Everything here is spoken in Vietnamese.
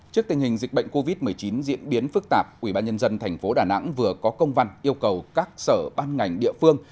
trước tình hình dịch bệnh covid một mươi chín diễn biến phức tạp ubnd tp đà nẵng vừa có công văn yêu cầu các sở ban ngành địa phương